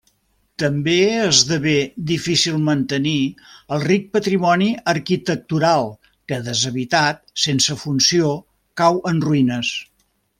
També esdevé difícil mantenir el ric patrimoni arquitectural, que deshabitat, sense funció cau en ruïnes.